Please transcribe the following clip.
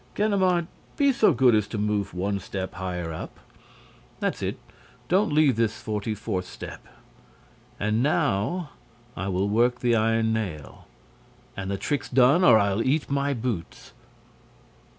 Ganimard, be so good as to move one step higher up. That's it, don't leave this forty fourth step. And now I will work the iron nail. And the trick's done, or I'll eat my boots!"